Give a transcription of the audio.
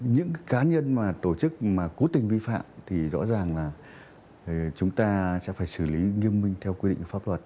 những cá nhân mà tổ chức mà cố tình vi phạm thì rõ ràng là chúng ta sẽ phải xử lý nghiêm minh theo quy định của pháp luật